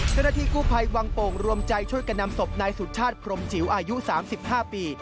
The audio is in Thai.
เศรษฐีกุภัยวังโป่งรวมใจช่วยกันนำสบในสุชาติพรมจิ๋วอายุ๓๕ปี